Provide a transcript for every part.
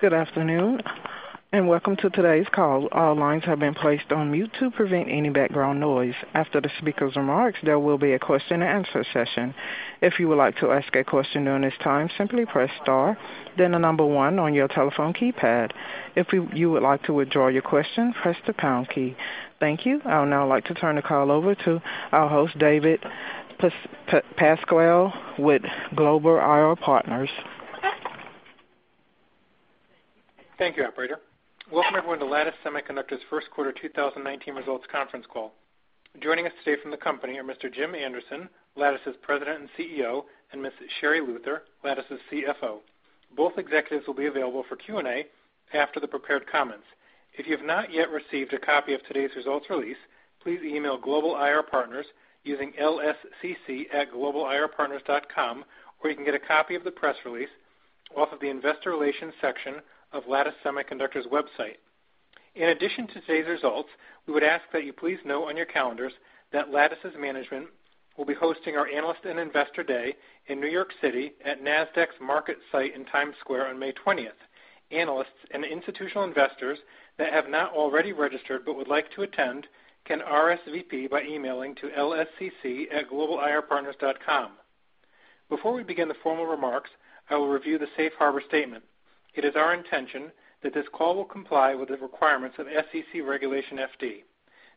Good afternoon, welcome to today's call. All lines have been placed on mute to prevent any background noise. After the speaker's remarks, there will be a question and answer session. If you would like to ask a question during this time, simply press star, then the number 1 on your telephone keypad. If you would like to withdraw your question, press the pound key. Thank you. I would now like to turn the call over to our host, David Pasquale, with Global IR Partners. Thank you, operator. Welcome everyone to Lattice Semiconductor's first quarter 2019 results conference call. Joining us today from the company are Mr. Jim Anderson, Lattice's President and CEO, and Ms. Sherri Luther, Lattice's CFO. Both executives will be available for Q&A after the prepared comments. If you have not yet received a copy of today's results release, please email Global IR Partners using lscc@globalirpartners.com, or you can get a copy of the press release off of the investor relations section of Lattice Semiconductor's website. We would ask that you please know on your calendars that Lattice's management will be hosting our analyst and investor day in New York City at Nasdaq's MarketSite in Times Square on May 20th. Analysts and institutional investors that have not already registered but would like to attend can RSVP by emailing to lscc@globalirpartners.com. Before we begin the formal remarks, I will review the safe harbor statement. It is our intention that this call will comply with the requirements of SEC Regulation FD.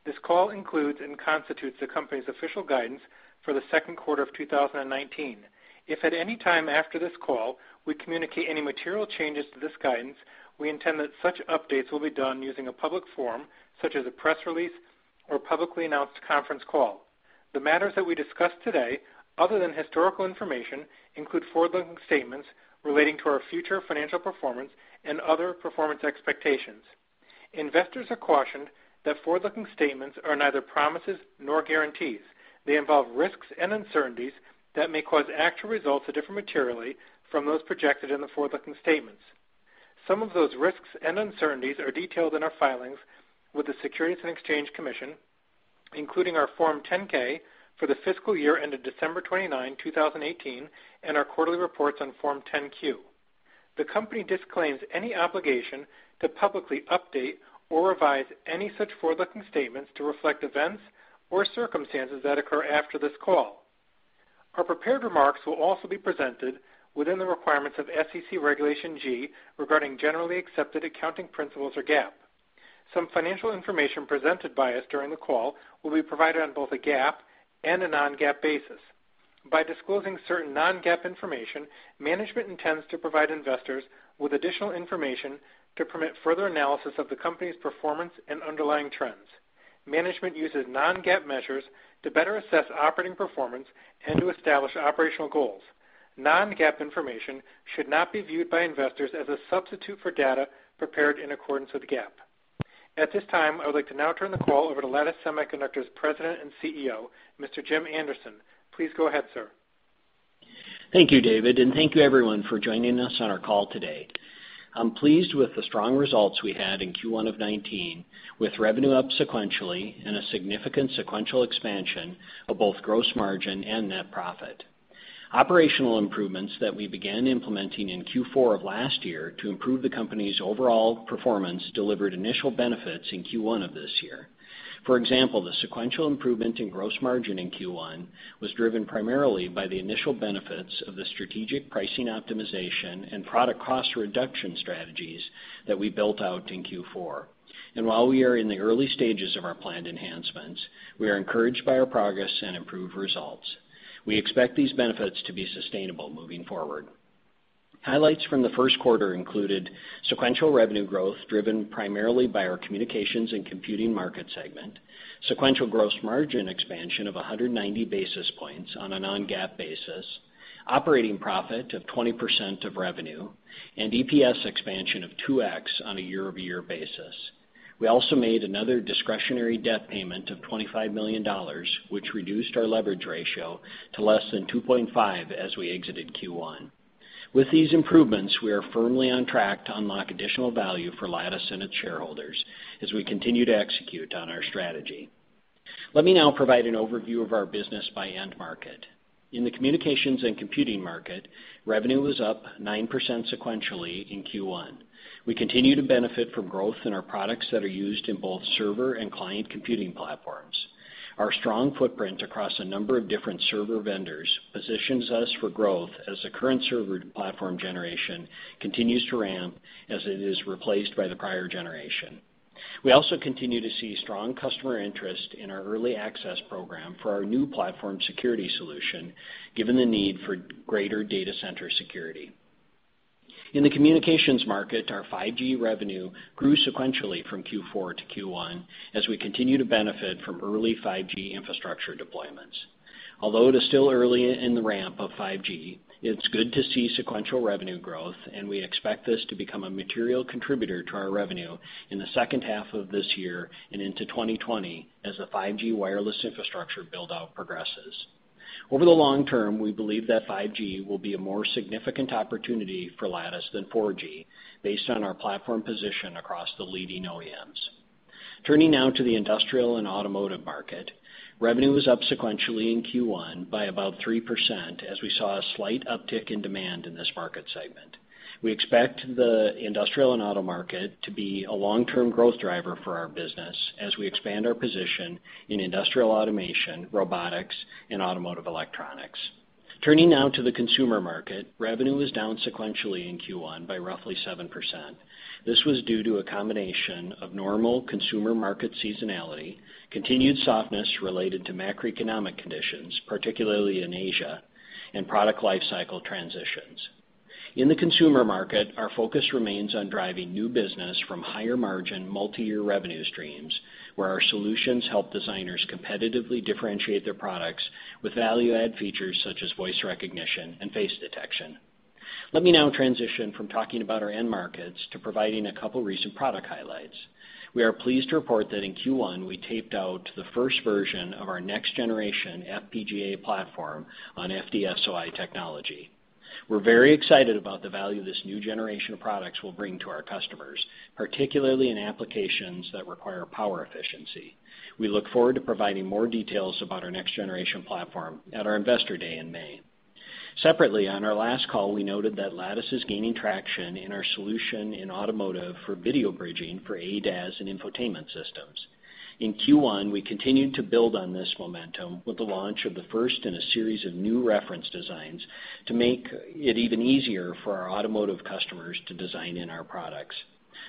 This call includes and constitutes the company's official guidance for the second quarter of 2019. If at any time after this call, we communicate any material changes to this guidance, we intend that such updates will be done using a public forum such as a press release or publicly announced conference call. The matters that we discuss today, other than historical information, include forward-looking statements relating to our future financial performance and other performance expectations. Investors are cautioned that forward-looking statements are neither promises nor guarantees. They involve risks and uncertainties that may cause actual results to differ materially from those projected in the forward-looking statements. Some of those risks and uncertainties are detailed in our filings with the Securities and Exchange Commission, including our Form 10-K for the fiscal year ended December 29, 2018, and our quarterly reports on Form 10-Q. The company disclaims any obligation to publicly update or revise any such forward-looking statements to reflect events or circumstances that occur after this call. Our prepared remarks will also be presented within the requirements of SEC Regulation G regarding generally accepted accounting principles or GAAP. Some financial information presented by us during the call will be provided on both a GAAP and a non-GAAP basis. By disclosing certain non-GAAP information, management intends to provide investors with additional information to permit further analysis of the company's performance and underlying trends. Management uses non-GAAP measures to better assess operating performance and to establish operational goals. Non-GAAP information should not be viewed by investors as a substitute for data prepared in accordance with GAAP. At this time, I would like to now turn the call over to Lattice Semiconductor's President and CEO, Mr. Jim Anderson. Please go ahead, sir. Thank you, David, and thank you everyone for joining us on our call today. I'm pleased with the strong results we had in Q1 of 2019, with revenue up sequentially and a significant sequential expansion of both gross margin and net profit. Operational improvements that we began implementing in Q4 of last year to improve the company's overall performance delivered initial benefits in Q1 of this year. For example, the sequential improvement in gross margin in Q1 was driven primarily by the initial benefits of the strategic pricing optimization and product cost reduction strategies that we built out in Q4. While we are in the early stages of our planned enhancements, we are encouraged by our progress and improved results. We expect these benefits to be sustainable moving forward. Highlights from the first quarter included sequential revenue growth driven primarily by our communications and computing market segment, sequential gross margin expansion of 190 basis points on a non-GAAP basis, operating profit of 20% of revenue, and EPS expansion of 2x on a year-over-year basis. We also made another discretionary debt payment of $25 million, which reduced our leverage ratio to less than 2.5 as we exited Q1. With these improvements, we are firmly on track to unlock additional value for Lattice and its shareholders as we continue to execute on our strategy. Let me now provide an overview of our business by end market. In the communications and computing market, revenue was up 9% sequentially in Q1. We continue to benefit from growth in our products that are used in both server and client computing platforms. Our strong footprint across a number of different server vendors positions us for growth as the current server platform generation continues to ramp as it is replaced by the prior generation. We also continue to see strong customer interest in our early access program for our new platform security solution, given the need for greater data center security. In the communications market, our 5G revenue grew sequentially from Q4 to Q1 as we continue to benefit from early 5G infrastructure deployments. Although it is still early in the ramp of 5G, it's good to see sequential revenue growth, and we expect this to become a material contributor to our revenue in the second half of this year and into 2020 as the 5G wireless infrastructure build-out progresses. Over the long term, we believe that 5G will be a more significant opportunity for Lattice than 4G based on our platform position across the leading OEMs. Turning now to the industrial and automotive market, revenue was up sequentially in Q1 by about 3%, as we saw a slight uptick in demand in this market segment. We expect the industrial and auto market to be a long-term growth driver for our business as we expand our position in industrial automation, robotics, and automotive electronics. Turning now to the consumer market, revenue was down sequentially in Q1 by roughly 7%. This was due to a combination of normal consumer market seasonality, continued softness related to macroeconomic conditions, particularly in Asia, and product life cycle transitions. In the consumer market, our focus remains on driving new business from higher-margin, multi-year revenue streams, where our solutions help designers competitively differentiate their products with value-add features such as voice recognition and face detection. Let me now transition from talking about our end markets to providing a couple recent product highlights. We are pleased to report that in Q1, we taped out the first version of our next-generation FPGA platform on FDSOI technology. We're very excited about the value this new generation of products will bring to our customers, particularly in applications that require power efficiency. We look forward to providing more details about our next-generation platform at our Investor Day in May. Separately, on our last call, we noted that Lattice is gaining traction in our solution in automotive for video bridging for ADAS and infotainment systems. In Q1, we continued to build on this momentum with the launch of the first in a series of new reference designs to make it even easier for our automotive customers to design in our products.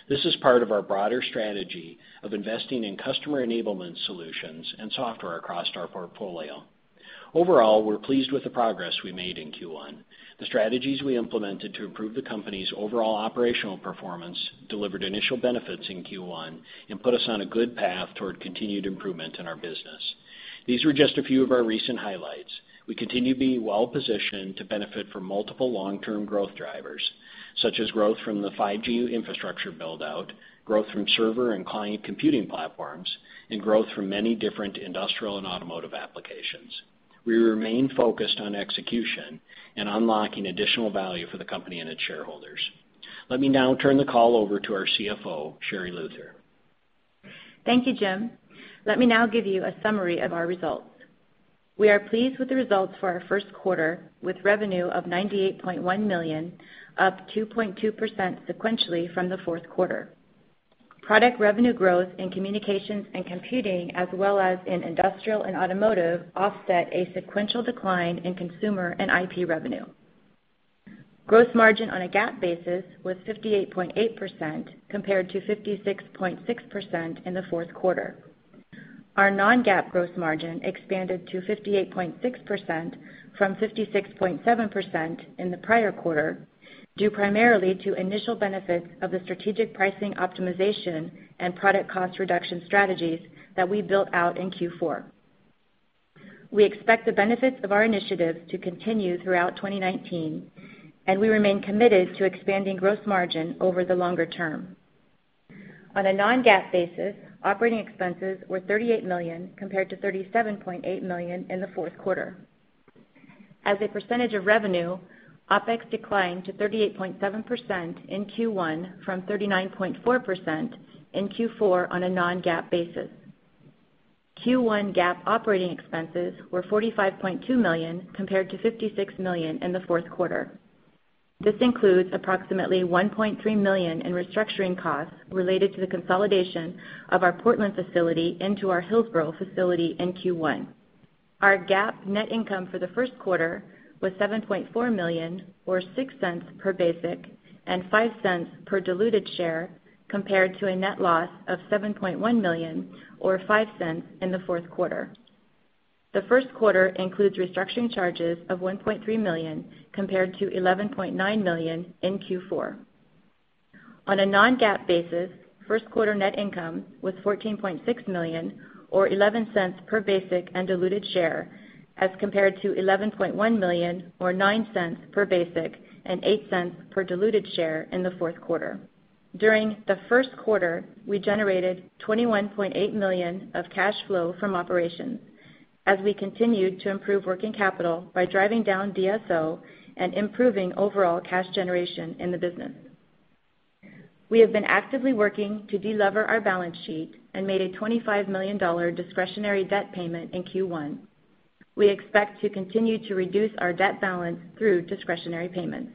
This is part of our broader strategy of investing in customer enablement solutions and software across our portfolio. Overall, we're pleased with the progress we made in Q1. The strategies we implemented to improve the company's overall operational performance delivered initial benefits in Q1 and put us on a good path toward continued improvement in our business. These were just a few of our recent highlights. We continue to be well-positioned to benefit from multiple long-term growth drivers, such as growth from the 5G infrastructure build-out, growth from server and client computing platforms, and growth from many different industrial and automotive applications. We remain focused on execution and unlocking additional value for the company and its shareholders. Let me now turn the call over to our CFO, Sherri Luther. Thank you, Jim. Let me now give you a summary of our results. We are pleased with the results for our first quarter, with revenue of $98.1 million, up 2.2% sequentially from the fourth quarter. Product revenue growth in communications and computing, as well as in industrial and automotive, offset a sequential decline in consumer and IP revenue. Gross margin on a GAAP basis was 58.8%, compared to 56.6% in the fourth quarter. Our non-GAAP gross margin expanded to 58.6% from 56.7% in the prior quarter, due primarily to initial benefits of the strategic pricing optimization and product cost reduction strategies that we built out in Q4. We expect the benefits of our initiatives to continue throughout 2019, and we remain committed to expanding gross margin over the longer term. On a non-GAAP basis, operating expenses were $38 million, compared to $37.8 million in the fourth quarter. As a percentage of revenue, OpEx declined to 38.7% in Q1 from 39.4% in Q4 on a non-GAAP basis. Q1 GAAP operating expenses were $45.2 million, compared to $56 million in the fourth quarter. This includes approximately $1.3 million in restructuring costs related to the consolidation of our Portland facility into our Hillsboro facility in Q1. Our GAAP net income for the first quarter was $7.4 million, or $0.06 per basic, and $0.05 per diluted share, compared to a net loss of $7.1 million, or $0.05, in the fourth quarter. The first quarter includes restructuring charges of $1.3 million, compared to $11.9 million in Q4. On a non-GAAP basis, first quarter net income was $14.6 million, or $0.11 per basic and diluted share, as compared to $11.1 million, or $0.09 per basic, and $0.08 per diluted share in the fourth quarter. During the first quarter, we generated $21.8 million of cash flow from operations as we continued to improve working capital by driving down DSO and improving overall cash generation in the business. We have been actively working to de-lever our balance sheet and made a $25 million discretionary debt payment in Q1. We expect to continue to reduce our debt balance through discretionary payments.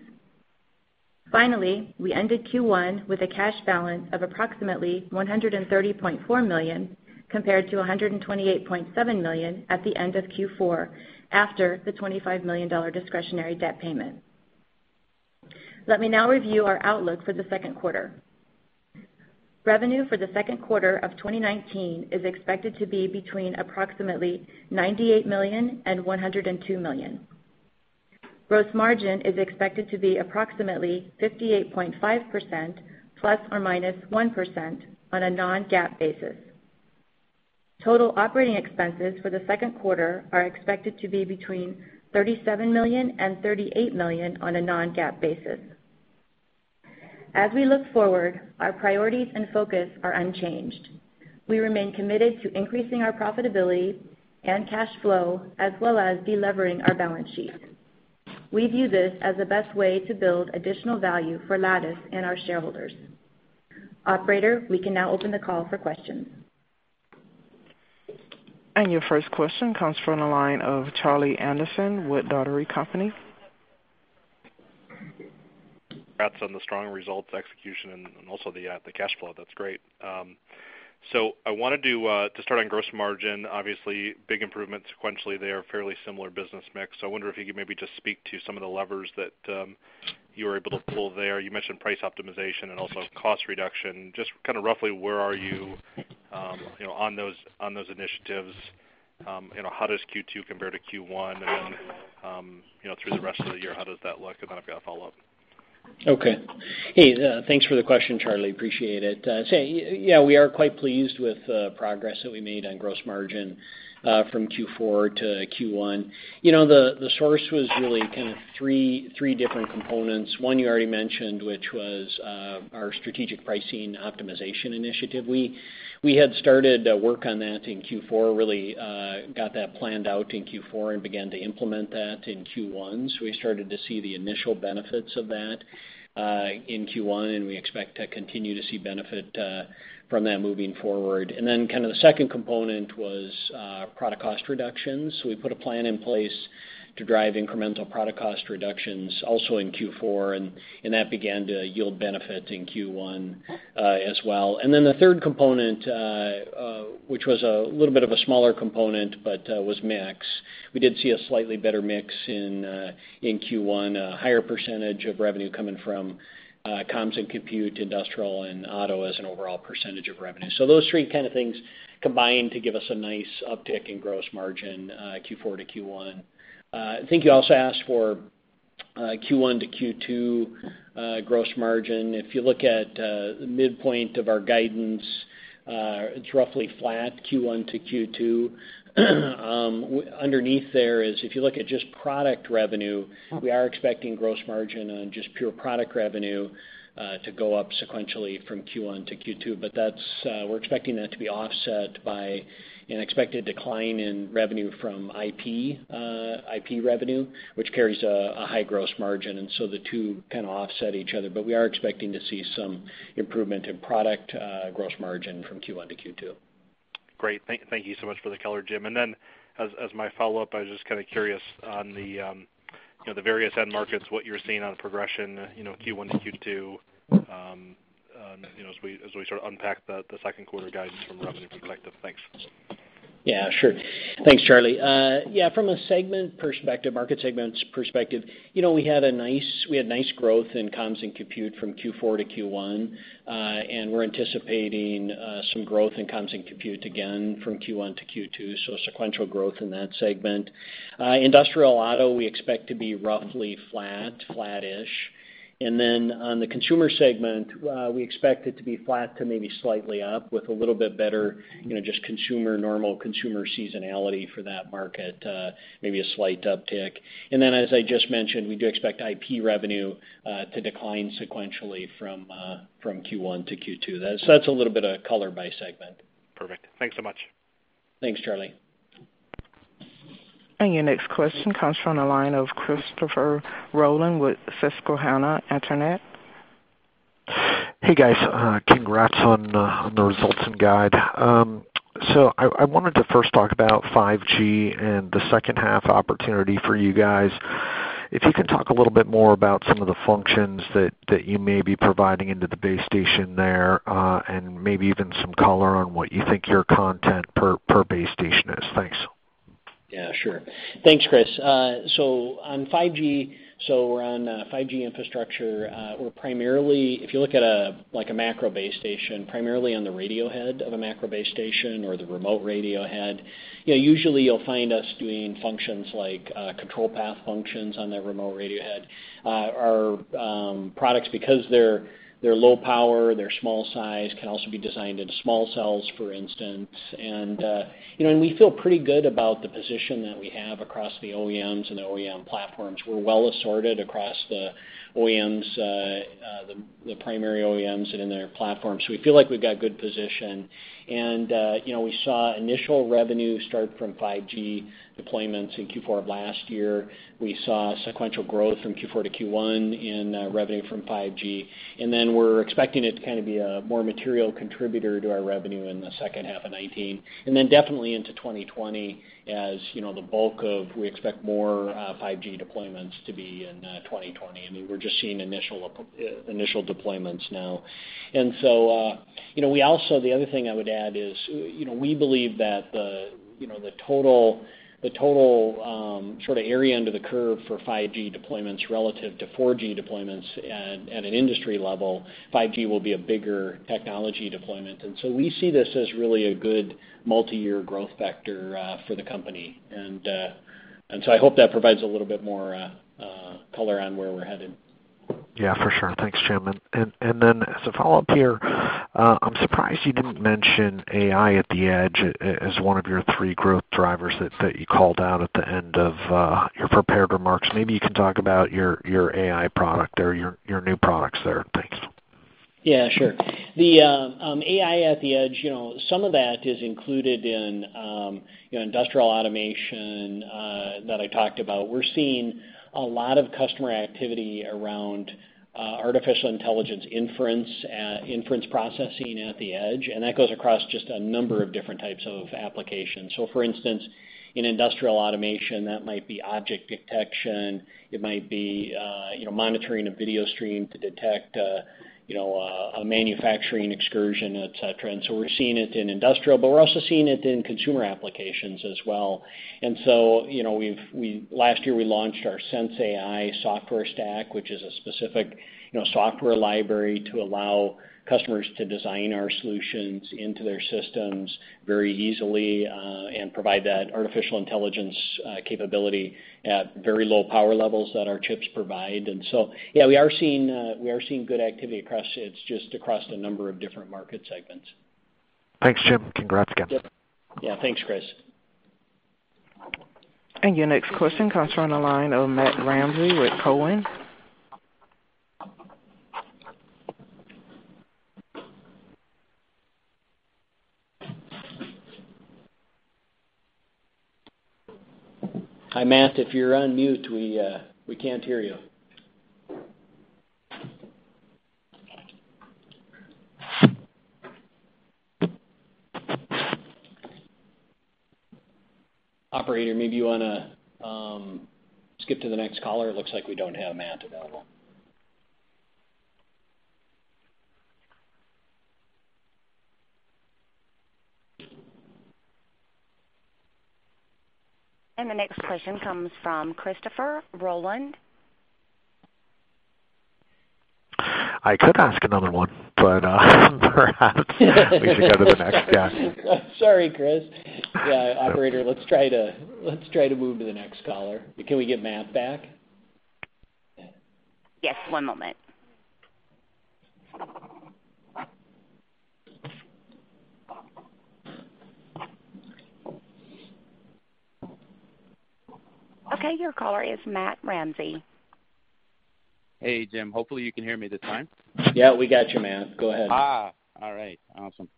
Finally, we ended Q1 with a cash balance of approximately $130.4 million, compared to $128.7 million at the end of Q4, after the $25 million discretionary debt payment. Let me now review our outlook for the second quarter. Revenue for the second quarter of 2019 is expected to be between approximately $98 million and $102 million. Gross margin is expected to be approximately 58.5%, ±1%, on a non-GAAP basis. Total operating expenses for the second quarter are expected to be between $37 million and $38 million on a non-GAAP basis. As we look forward, our priorities and focus are unchanged. We remain committed to increasing our profitability and cash flow, as well as de-levering our balance sheet. We view this as the best way to build additional value for Lattice and our shareholders. Operator, we can now open the call for questions. Your first question comes from the line of Charlie Anderson with Dougherty & Company. Congrats on the strong results, execution, and also the cash flow. That's great. I wanted to start on gross margin. Obviously, big improvement sequentially there, fairly similar business mix. I wonder if you could maybe just speak to some of the levers that you were able to pull there. You mentioned price optimization and also cost reduction. Just kind of roughly where are you on those initiatives? How does Q2 compare to Q1? Through the rest of the year, how does that look? I've got a follow-up. Thanks for the question, Charlie. Appreciate it. We are quite pleased with the progress that we made on gross margin from Q4 to Q1. The source was really kind of three different components. One you already mentioned, which was our strategic pricing optimization initiative. We had started work on that in Q4, really got that planned out in Q4 and began to implement that in Q1. We started to see the initial benefits of that in Q1, and we expect to continue to see benefit from that moving forward. The second component was product cost reductions. We put a plan in place to drive incremental product cost reductions also in Q4, and that began to yield benefit in Q1 as well. The third component, which was a little bit of a smaller component, but was mix. We did see a slightly better mix in Q1, a higher percentage of revenue coming from comms and compute, industrial, and auto as an overall percentage of revenue. Those three kind of things combined to give us a nice uptick in gross margin, Q4 to Q1. I think you also asked for Q1 to Q2 gross margin. If you look at the midpoint of our guidance, it's roughly flat Q1 to Q2. Underneath there is, if you look at just product revenue, we are expecting gross margin on just pure product revenue to go up sequentially from Q1 to Q2. We're expecting that to be offset by an expected decline in revenue from IP revenue, which carries a high gross margin. The two kind of offset each other. We are expecting to see some improvement in product gross margin from Q1 to Q2. Great. Thank you so much for the color, Jim. Then as my follow-up, I was just kind of curious on the various end markets, what you're seeing on progression Q1 to Q2, as we sort of unpack the second quarter guidance from a revenue perspective. Thanks. Sure. Thanks, Charlie. From a market segments perspective, we had nice growth in comms and compute from Q4 to Q1. We're anticipating some growth in comms and compute again from Q1 to Q2, so sequential growth in that segment. Industrial auto, we expect to be roughly flat-ish. On the consumer segment, we expect it to be flat to maybe slightly up with a little bit better, just normal consumer seasonality for that market, maybe a slight uptick. Then, as I just mentioned, we do expect IP revenue to decline sequentially from Q1 to Q2. That's a little bit of color by segment. Perfect. Thanks so much. Thanks, Charlie. Your next question comes from the line of Christopher Rolland with Susquehanna International Group. Hey, guys. Congrats on the results and guide. I wanted to first talk about 5G and the second half opportunity for you guys. If you can talk a little bit more about some of the functions that you may be providing into the base station there, and maybe even some color on what you think your content per base station is. Thanks. Yeah, sure. Thanks, Chris. On 5G infrastructure, if you look at a macro base station, primarily on the radio head of a macro base station or the remote radio head, usually you'll find us doing functions like control path functions on that remote radio head. Our products, because they're low power, they're small size, can also be designed into small cells, for instance. We feel pretty good about the position that we have across the OEMs and the OEM platforms. We're well assorted across the primary OEMs and in their platforms. We feel like we've got good position. We saw initial revenue start from 5G deployments in Q4 of last year. We saw sequential growth from Q4 to Q1 in revenue from 5G. We're expecting it to kind of be a more material contributor to our revenue in the second half of 2019, and then definitely into 2020 as the bulk of, we expect more 5G deployments to be in 2020. I mean, we're just seeing initial deployments now. The other thing I would add is, we believe that the total sort of area under the curve for 5G deployments relative to 4G deployments at an industry level, 5G will be a bigger technology deployment. We see this as really a good multi-year growth vector for the company. I hope that provides a little bit more color on where we're headed. Yeah, for sure. Thanks, Jim. As a follow-up here, I'm surprised you didn't mention AI at the Edge as one of your three growth drivers that you called out at the end of your prepared remarks. Maybe you can talk about your AI product there, your new products there. Thanks. Yeah, sure. The AI at the edge, some of that is included in industrial automation that I talked about. We're seeing a lot of customer activity around artificial intelligence inference processing at the edge, that goes across just a number of different types of applications. For instance, in industrial automation, that might be object detection, it might be monitoring a video stream to detect a manufacturing excursion, et cetera. We're seeing it in industrial, we're also seeing it in consumer applications as well. Last year we launched our sensAI software stack, which is a specific software library to allow customers to design our solutions into their systems very easily and provide that artificial intelligence capability at very low power levels that our chips provide. Yeah, we are seeing good activity across. It's just across a number of different market segments. Thanks, Jim. Congrats again. Yeah. Thanks, Chris. Your next question comes from the line of Matt Ramsay with Cowen. Hi, Matt. If you're on mute, we can't hear you. Operator, maybe you want to skip to the next caller. It looks like we don't have Matt available. The next question comes from Christopher Rolland. I could ask another one, but perhaps we should go to the next guest. Sorry, Chris. Yeah. Operator, let's try to move to the next caller. Can we get Matt back? Yes, one moment. Okay, your caller is Matt Ramsay. Hey, Jim. Hopefully, you can hear me this time. Yeah, we got you, Matt. Go ahead. All right. Awesome.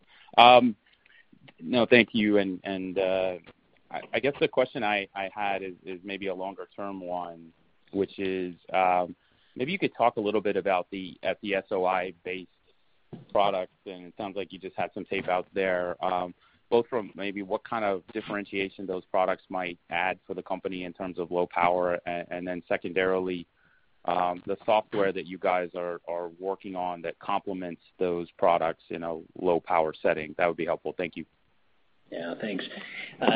Thank you. I guess the question I had is maybe a longer-term one, which is, maybe you could talk a little bit about the FDSOI-based product, and it sounds like you just had some tape out there, both from maybe what kind of differentiation those products might add for the company in terms of low power, and then secondarily, the software that you guys are working on that complements those products in a low power setting. That would be helpful. Thank you. Thanks.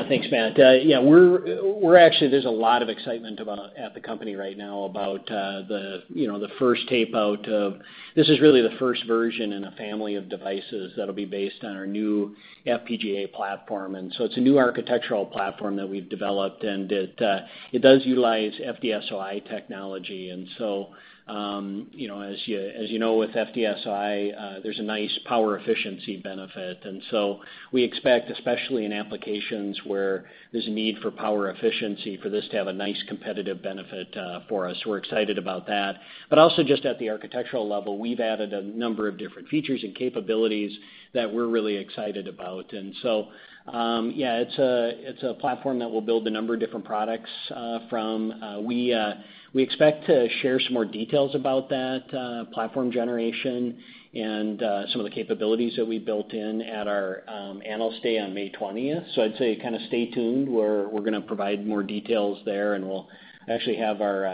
Thanks, Matt. Actually, there's a lot of excitement at the company right now about the first tape-out. This is really the first version in a family of devices that'll be based on our new FPGA platform. It's a new architectural platform that we've developed, and it does utilize FDSOI technology. As you know with FDSOI, there's a nice power efficiency benefit. We expect, especially in applications where there's a need for power efficiency, for this to have a nice competitive benefit for us. We're excited about that. Also just at the architectural level, we've added a number of different features and capabilities that we're really excited about. It's a platform that will build a number of different products from. We expect to share some more details about that platform generation and some of the capabilities that we built in at our Analyst Day on May 20th. I'd say kind of stay tuned, where we're going to provide more details there, and we'll actually have our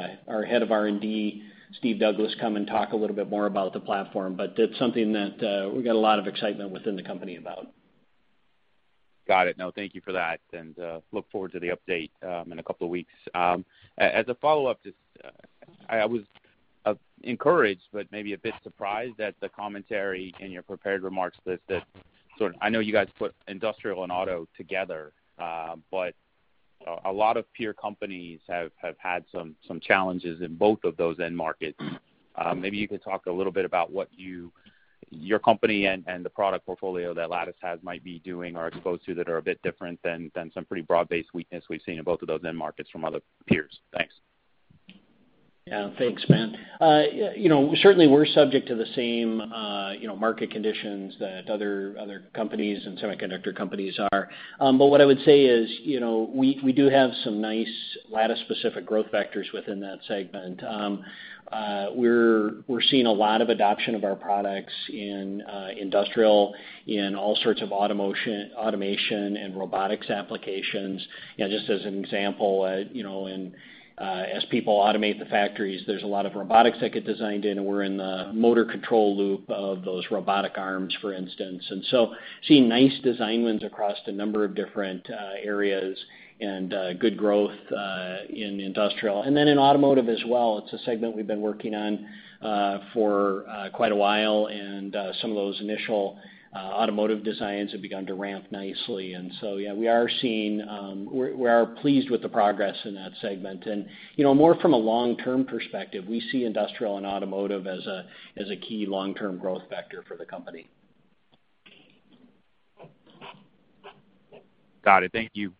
head of R&D, Steve Douglass, come and talk a little bit more about the platform. That's something that we've got a lot of excitement within the company about. Got it. Thank you for that. Look forward to the update in a couple of weeks. As a follow-up, I was encouraged, but maybe a bit surprised at the commentary in your prepared remarks that sort of. I know you guys put industrial and auto together, but a lot of peer companies have had some challenges in both of those end markets. Maybe you could talk a little bit about what your company and the product portfolio that Lattice has might be doing or exposed to that are a bit different than some pretty broad-based weakness we've seen in both of those end markets from other peers. Thanks. Yeah. Thanks, Matt. Certainly, we're subject to the same market conditions that other companies and semiconductor companies are. What I would say is, we do have some nice Lattice-specific growth vectors within that segment. We're seeing a lot of adoption of our products in industrial, in all sorts of automation, and robotics applications. Just as an example, as people automate the factories, there's a lot of robotics that get designed in, and we're in the motor control loop of those robotic arms, for instance. Seeing nice design wins across a number of different areas and good growth in industrial. In automotive as well. It's a segment we've been working on for quite a while, and some of those initial automotive designs have begun to ramp nicely. Yeah, we are pleased with the progress in that segment. More from a long-term perspective, we see industrial and automotive as a key long-term growth vector for the company. Got it. Thank you.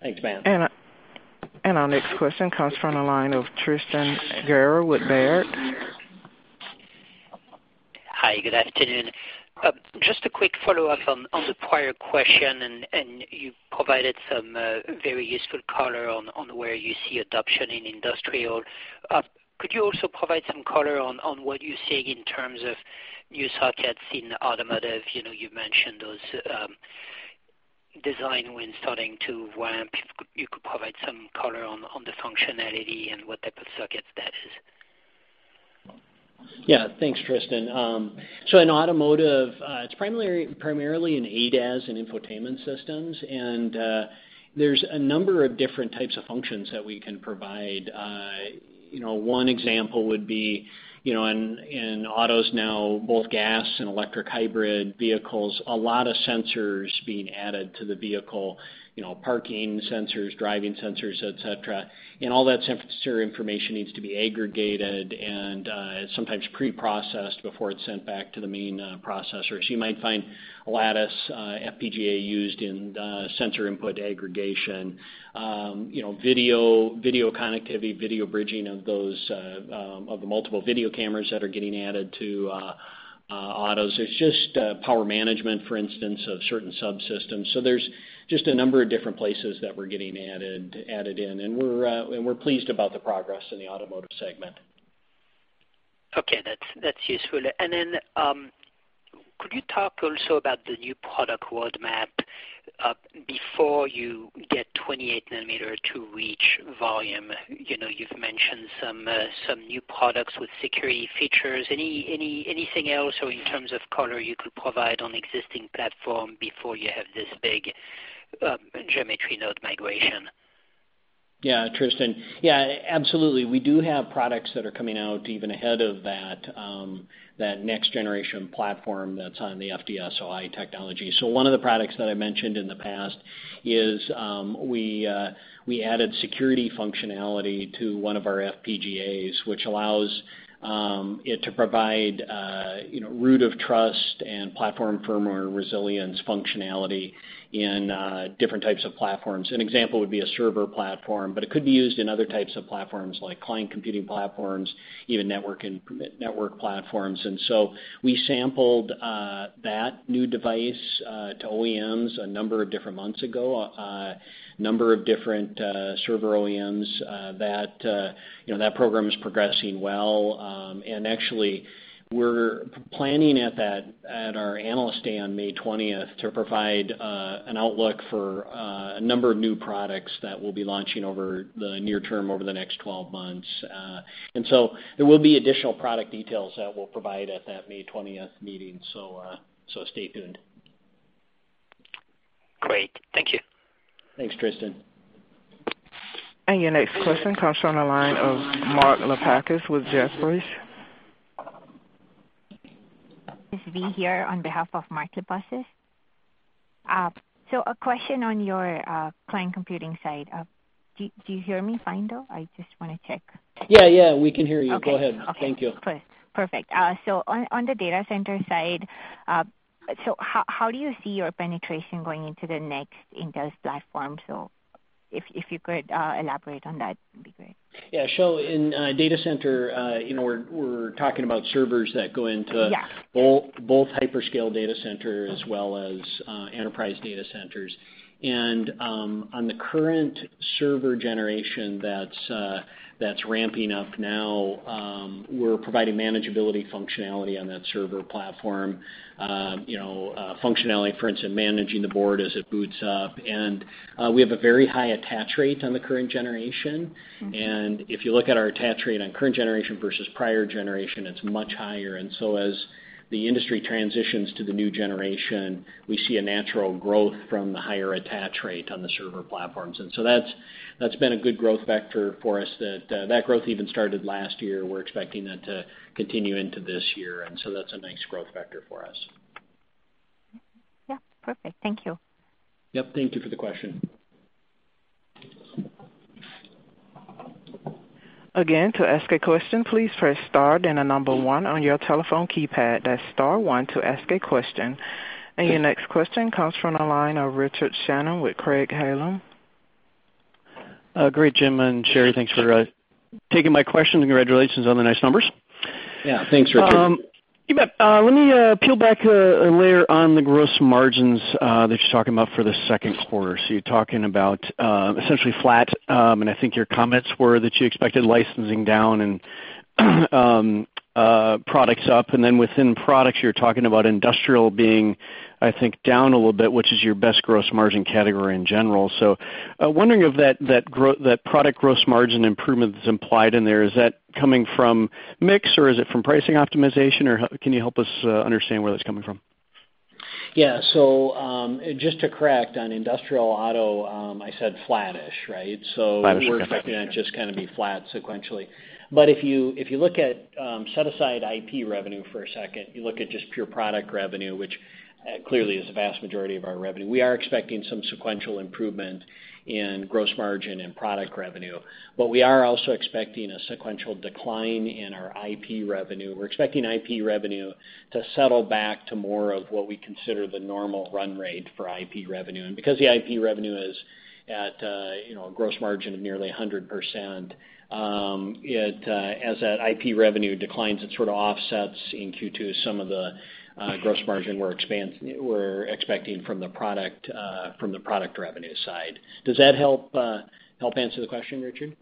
Thanks, Matt. Our next question comes from the line of Tristan Gerra with Baird. Hi, good afternoon. Just a quick follow-up on the prior question, and you provided some very useful color on where you see adoption in industrial. Could you also provide some color on what you see in terms of new sockets in automotive? You mentioned those design wins starting to ramp. If you could provide some color on the functionality and what type of sockets that is. Yeah. Thanks, Tristan. In automotive, it's primarily in ADAS and infotainment systems, and there's a number of different types of functions that we can provide. One example would be in autos now, both gas and electric hybrid vehicles, a lot of sensors being added to the vehicle, parking sensors, driving sensors, et cetera. All that sensor information needs to be aggregated and sometimes pre-processed before it's sent back to the main processor. You might find Lattice FPGA used in sensor input aggregation, video connectivity, video bridging of the multiple video cameras that are getting added to autos. It's just power management, for instance, of certain subsystems. There's just a number of different places that we're getting added in, and we're pleased about the progress in the automotive segment. Okay, that's useful. Then, could you talk also about the new product roadmap before you get 28 nanometer to reach volume? You've mentioned some new products with security features. Anything else in terms of color you could provide on existing platform before you have this big geometry node migration? Tristan. Absolutely. We do have products that are coming out even ahead of that next generation platform that's on the FDSOI technology. One of the products that I mentioned in the past is we added security functionality to one of our FPGAs, which allows it to provide root of trust and platform firmware resilience functionality in different types of platforms. An example would be a server platform, but it could be used in other types of platforms like client computing platforms, even network platforms. We sampled that new device to OEMs a number of different months ago, a number of different server OEMs. That program is progressing well. Actually, we're planning at our analyst day on May 20th to provide an outlook for a number of new products that we'll be launching over the near term over the next 12 months. There will be additional product details that we'll provide at that May 20th meeting. Stay tuned. Great. Thank you. Thanks, Tristan. Your next question comes from the line of Mark Lipacis with Jefferies. This is Vi here on behalf of Mark Lipacis. A question on your client computing side. Do you hear me fine, though? I just want to check. Yeah, we can hear you. Okay. Go ahead. Thank you. Perfect. On the data center side, how do you see your penetration going into the next Intel platform? If you could elaborate on that, it'd be great. Yeah, in data center, we're talking about servers that go into Yeah Both hyperscale data centers as well as enterprise data centers. On the current server generation that's ramping up now, we're providing manageability functionality on that server platform, functionality, for instance, managing the board as it boots up. We have a very high attach rate on the current generation. If you look at our attach rate on current generation versus prior generation, it's much higher. As the industry transitions to the new generation, we see a natural growth from the higher attach rate on the server platforms. That's been a good growth vector for us, that growth even started last year. We're expecting that to continue into this year. That's a nice growth vector for us. Yeah. Perfect. Thank you. Yep. Thank you for the question. To ask a question, please press star, then the number one on your telephone keypad. That's star one to ask a question. Your next question comes from the line of Richard Shannon with Craig-Hallum. Great, Jim and Sherri. Thanks for taking my question. Congratulations on the nice numbers. Yeah. Thanks, Richard. You bet. Let me peel back a layer on the gross margins that you're talking about for the second quarter. You're talking about essentially flat, and I think your comments were that you expected licensing down and products up. Then within products, you're talking about industrial being, I think, down a little bit, which is your best gross margin category in general. Wondering if that product gross margin improvement that's implied in there, is that coming from mix, or is it from pricing optimization, or can you help us understand where that's coming from? Yeah. Just to correct on industrial auto, I said flatish, right? Flatish. Okay. We're expecting that just kind of be flat sequentially. If you set aside IP revenue for a second, you look at just pure product revenue, which clearly is the vast majority of our revenue, we are expecting some sequential improvement in gross margin and product revenue. We are also expecting a sequential decline in our IP revenue. We're expecting IP revenue to settle back to more of what we consider the normal run rate for IP revenue. Because the IP revenue is at a gross margin of nearly 100%, as that IP revenue declines, it sort of offsets in Q2 some of the gross margin we're expecting from the product revenue side. Does that help answer the question, Richard?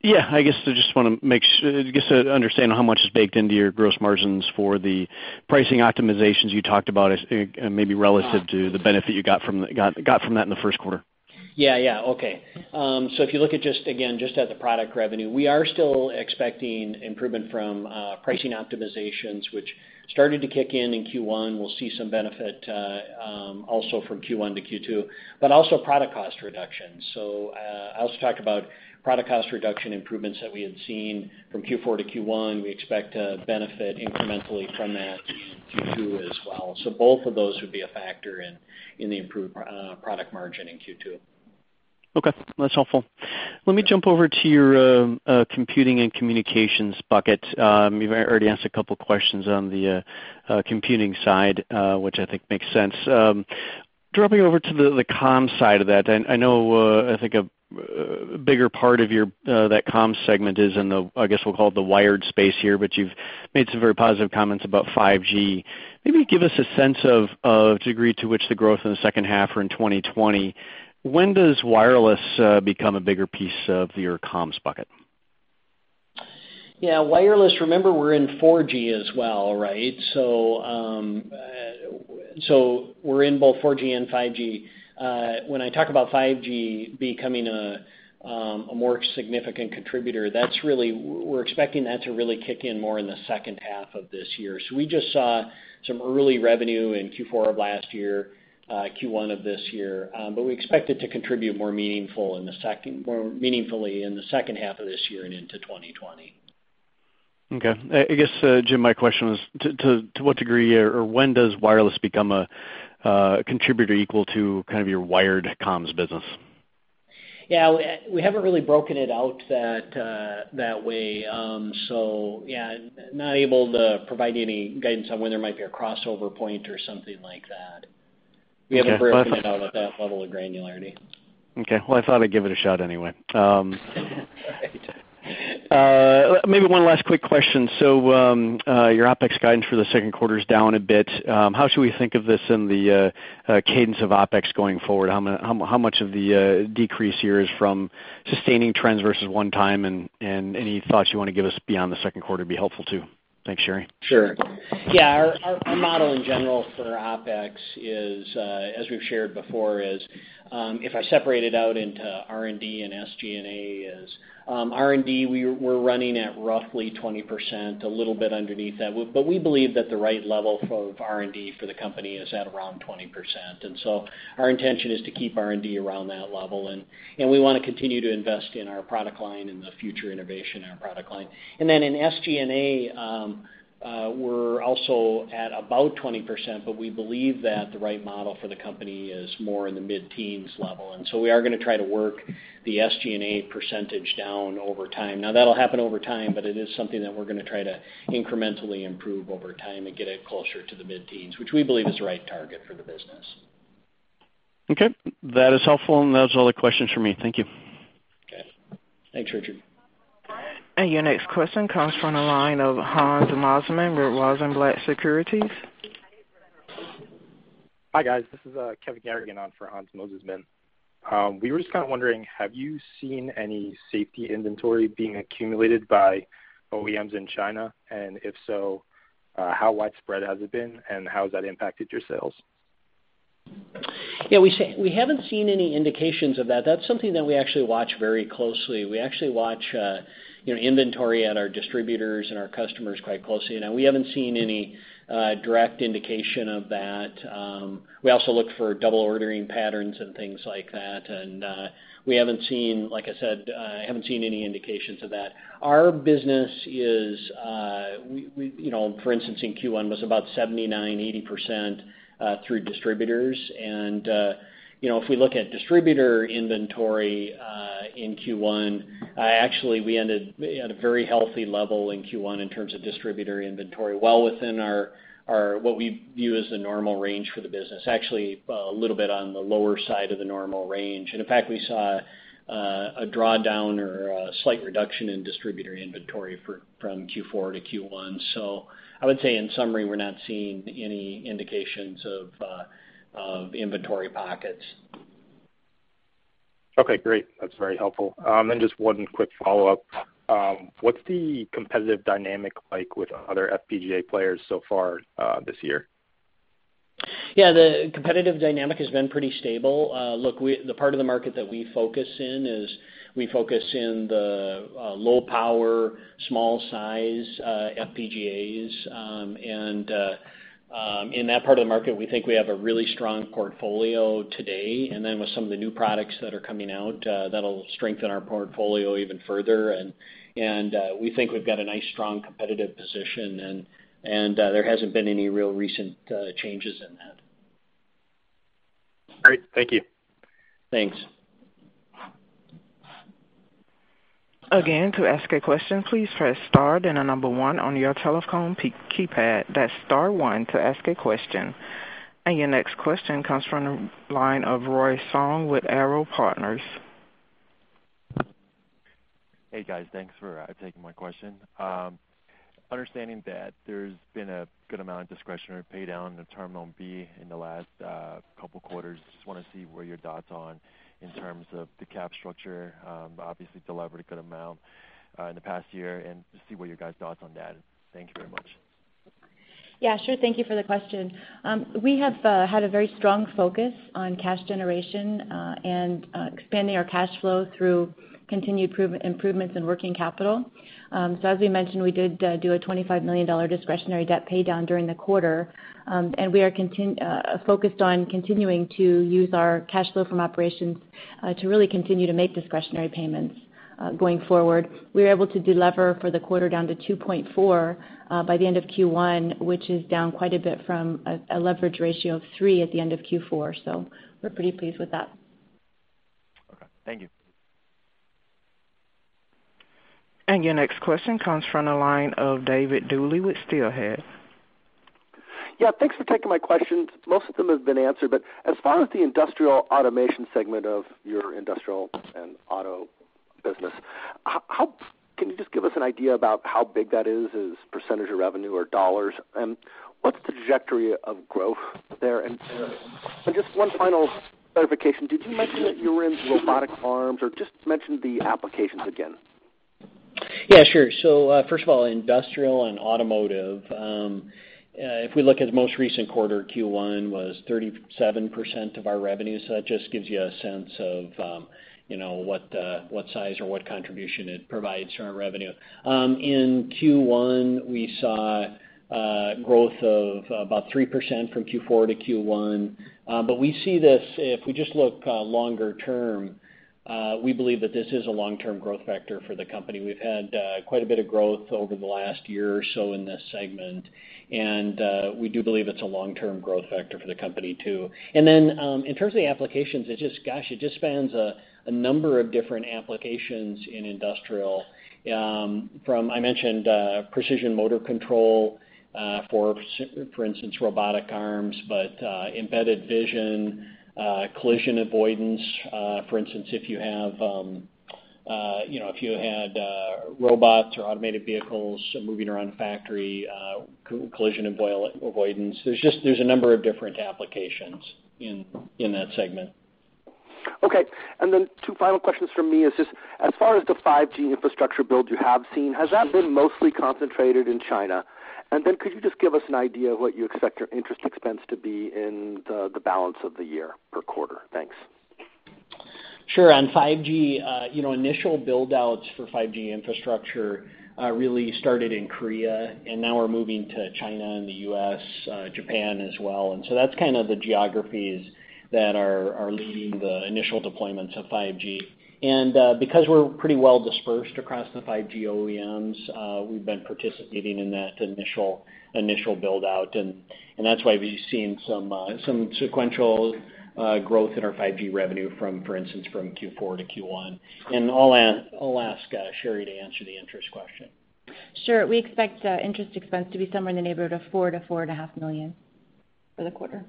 Yeah. I guess I just want to make sure, I guess, to understand how much is baked into your gross margins for the pricing optimizations you talked about, maybe relative to the benefit you got from that in the first quarter. Yeah. Okay. If you look at just, again, just at the product revenue, we are still expecting improvement from pricing optimizations, which started to kick in in Q1. We'll see some benefit, also from Q1 to Q2, but also product cost reduction. I also talked about product cost reduction improvements that we had seen from Q4 to Q1. We expect to benefit incrementally from that in Q2 as well. Both of those would be a factor in the improved product margin in Q2. Okay. That's helpful. Let me jump over to your computing and communications bucket. You've already asked a couple questions on the computing side, which I think makes sense. Dropping over to the comms side of that, I know, I think a bigger part of that comms segment is in the, I guess we'll call it the wired space here, but you've made some very positive comments about 5G. Maybe give us a sense of degree to which the growth in the second half or in 2020, when does wireless become a bigger piece of your comms bucket? Yeah. Wireless, remember, we're in 4G as well, right? We're in both 4G and 5G. When I talk about 5G becoming a more significant contributor, we're expecting that to really kick in more in the second half of this year. We just saw some early revenue in Q4 of last year, Q1 of this year. We expect it to contribute more meaningfully in the second half of this year and into 2020. Okay. I guess, Jim, my question was to what degree or when does wireless become a contributor equal to kind of your wired comms business? Yeah. We haven't really broken it out that way. Yeah, not able to provide any guidance on when there might be a crossover point or something like that. Okay. We haven't broken it out at that level of granularity. Okay. Well, I thought I'd give it a shot anyway. Right. Maybe one last quick question. Your OpEx guidance for the second quarter is down a bit. How should we think of this in the cadence of OpEx going forward? How much of the decrease here is from sustaining trends versus one time, and any thoughts you want to give us beyond the second quarter would be helpful too. Thanks, Sherri. Sure. Yeah, our model in general for OpEx is, as we've shared before, if I separate it out into R&D and SG&A, R&D, we're running at roughly 20%, a little bit underneath that. We believe that the right level of R&D for the company is at around 20%. Our intention is to keep R&D around that level and we want to continue to invest in our product line and the future innovation in our product line. In SG&A, we're also at about 20%, but we believe that the right model for the company is more in the mid-teens level. We are gonna try to work the SG&A percentage down over time. Now, that'll happen over time, but it is something that we're gonna try to incrementally improve over time and get it closer to the mid-teens, which we believe is the right target for the business. Okay. That is helpful, those are all the questions for me. Thank you. Okay. Thanks, Richard. Your next question comes from the line of Hans Mosesmann, Rosenblatt Securities. Hi, guys. This is Kevin Garrigan on for Hans Mosesmann. We were just kind of wondering, have you seen any safety inventory being accumulated by OEMs in China? If so, how widespread has it been, and how has that impacted your sales? Yeah, we haven't seen any indications of that. That's something that we actually watch very closely. We actually watch inventory at our distributors and our customers quite closely, and we haven't seen any direct indication of that. We also look for double ordering patterns and things like that, and we haven't seen, like I said, haven't seen any indications of that. Our business is, for instance, in Q1, was about 79%, 80% through distributors. If we look at distributor inventory in Q1, actually we ended at a very healthy level in Q1 in terms of distributor inventory, well within what we view as the normal range for the business. Actually, a little bit on the lower side of the normal range. In fact, we saw a drawdown or a slight reduction in distributor inventory from Q4 to Q1. I would say in summary, we're not seeing any indications of inventory pockets. Okay, great. That's very helpful. Then just one quick follow-up. What's the competitive dynamic like with other FPGA players so far this year? Yeah, the competitive dynamic has been pretty stable. Look, the part of the market that we focus in is we focus in the low power, small size FPGAs, and in that part of the market, we think we have a really strong portfolio today. Then with some of the new products that are coming out, that'll strengthen our portfolio even further. We think we've got a nice, strong competitive position, and there hasn't been any real recent changes in that. Great. Thank you. Thanks. Again, to ask a question, please press star, then the number one on your telephone keypad. That's star one to ask a question. Your next question comes from the line of Roy Song with Arrow Partners. Hey, guys. Thanks for taking my question. Understanding that there's been a good amount of discretionary pay down in the Term Loan B in the last couple of quarters, just want to see where your thoughts on in terms of the cap structure. Obviously, delivered a good amount in the past year, and to see what your guys' thoughts on that is. Thank you very much. Yeah, sure. Thank you for the question. We have had a very strong focus on cash generation, and expanding our cash flow through continued improvements in working capital. As we mentioned, we did do a $25 million discretionary debt pay down during the quarter. We are focused on continuing to use our cash flow from operations to really continue to make discretionary payments going forward. We were able to delever for the quarter down to 2.4 by the end of Q1, which is down quite a bit from a leverage ratio of 3 at the end of Q4, so we're pretty pleased with that. Okay. Thank you. Your next question comes from the line of David Duley with Steelhead. Thanks for taking my questions. Most of them have been answered, but as far as the industrial automation segment of your industrial and auto business, can you just give us an idea about how big that is as % of revenue or dollars? What's the trajectory of growth there? Just one final clarification, did you mention that you're in robotic arms, or just mention the applications again? First of all, industrial and automotive, if we look at the most recent quarter, Q1 was 37% of our revenue. That just gives you a sense of what size or what contribution it provides to our revenue. In Q1, we saw growth of about 3% from Q4 to Q1. We see this, if we just look longer term, we believe that this is a long-term growth vector for the company. We've had quite a bit of growth over the last year or so in this segment, and we do believe it's a long-term growth vector for the company, too. In terms of the applications, gosh, it just spans a number of different applications in industrial, from, I mentioned precision motor control, for instance, robotic arms, but embedded vision, collision avoidance. For instance, if you had robots or automated vehicles moving around a factory, collision avoidance. There's a number of different applications in that segment. Okay. Two final questions from me is just as far as the 5G infrastructure build you have seen, has that been mostly concentrated in China? Could you just give us an idea of what you expect your interest expense to be in the balance of the year per quarter? Thanks. Sure. On 5G, initial build-outs for 5G infrastructure really started in Korea, now we're moving to China and the U.S., Japan as well. That's kind of the geographies that are leading the initial deployments of 5G. Because we're pretty well dispersed across the 5G OEMs, we've been participating in that initial build-out, that's why we've seen some sequential growth in our 5G revenue from, for instance, from Q4 to Q1. I'll ask Sherri to answer the interest question. Sure. We expect interest expense to be somewhere in the neighborhood of $4 million-$4.5 million for the quarter.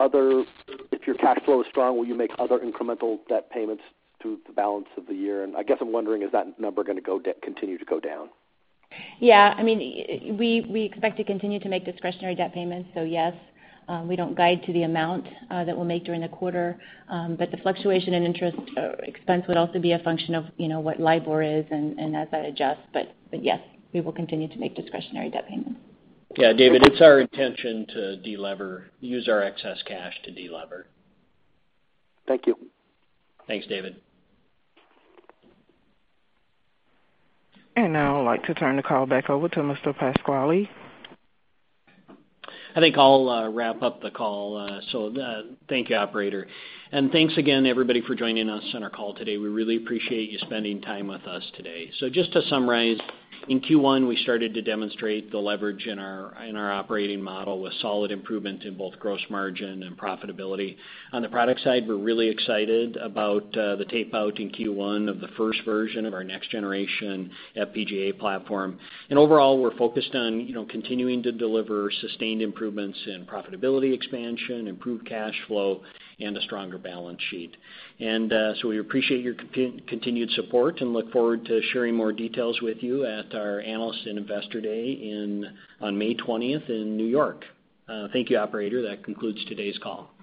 If your cash flow is strong, will you make other incremental debt payments through the balance of the year? I guess I'm wondering, is that number going to continue to go down? Yeah. We expect to continue to make discretionary debt payments, so yes. We don't guide to the amount that we'll make during the quarter. The fluctuation in interest expense would also be a function of what LIBOR is, and as that adjusts. Yes, we will continue to make discretionary debt payments. Yeah, David, it's our intention to delever, use our excess cash to delever. Thank you. Thanks, David. Now I would like to turn the call back over to Mr. Pasquale. I think I'll wrap up the call. Thank you, operator. Thanks again, everybody, for joining us on our call today. We really appreciate you spending time with us today. Just to summarize, in Q1, we started to demonstrate the leverage in our operating model with solid improvement in both gross margin and profitability. On the product side, we're really excited about the tape out in Q1 of the first version of our next generation FPGA platform. Overall, we're focused on continuing to deliver sustained improvements in profitability expansion, improved cash flow, and a stronger balance sheet. We appreciate your continued support and look forward to sharing more details with you at our Analyst and Investor Day on May 20th in New York. Thank you, operator. That concludes today's call.